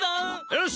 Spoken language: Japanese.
よし！